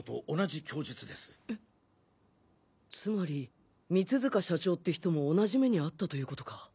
つまり三塚社長って人も同じ目に遭ったということか